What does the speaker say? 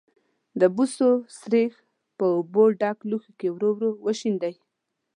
د بوسو سريښ په اوبو ډک لوښي کې ورو ورو وشیندئ.